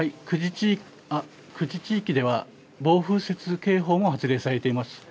久慈地域では暴風雪警報も発令されています。